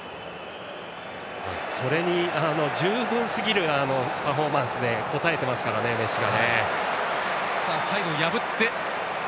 それに、十分すぎるパフォーマンスで応えていますからね、メッシが。